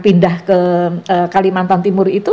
pindah ke kalimantan timur itu